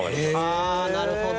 はあなるほど。